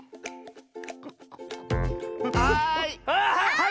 はい！